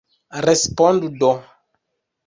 Respondu do!